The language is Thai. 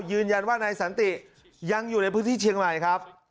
ยืนยันว่านายสันติยังอยู่ในพื้นที่เชียงใหม่ครับ